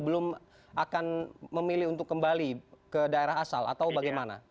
belum akan memilih untuk kembali ke daerah asal atau bagaimana